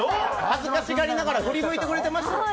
恥ずかしがりながら振り向いてくれてますよ。